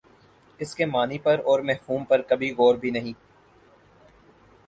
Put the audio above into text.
اسک معانی پر اور مفہوم پر کبھی غورک بھی نہیں